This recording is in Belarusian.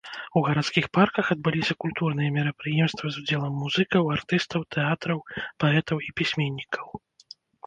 У гарадскіх парках адбыліся культурныя мерапрыемствы з удзелам музыкаў, артыстаў тэатраў, паэтаў і пісьменнікаў.